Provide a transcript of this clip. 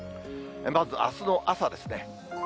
まずあすの朝ですね。